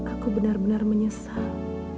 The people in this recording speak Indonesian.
aku benar benar menyesal